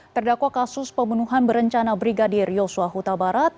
terdakwa kasus pembunuhan berencana brigadir yosua huta barat